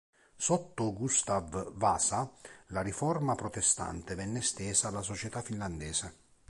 Sotto Gustav Vasa la Riforma protestante venne estesa alla società finlandese.